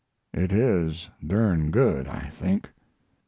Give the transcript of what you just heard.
It is dern good, I think.